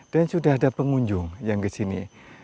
dan sudah ada pengunjung yang ke sini